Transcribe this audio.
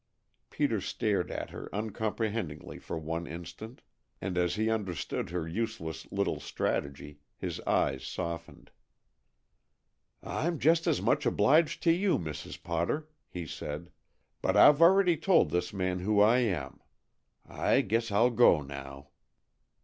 _" Peter stared at her uncomprehendingly for one instant, and as he understood her useless little strategy, his eyes softened. "I'm just as much obliged to you, Mrs. Potter," he said, "but I've already told this man who I am. I guess I'll go now."